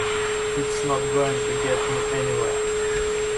It's not going to get me anywhere.